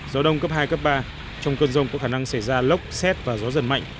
gió đông cấp hai cấp ba trong cơn rông có khả năng xảy ra lốc xét và gió giật mạnh